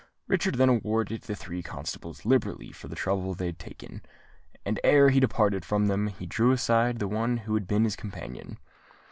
Richard then rewarded the three constables liberally for the trouble they had taken; and ere he departed from them, he drew aside the one who had been his companion.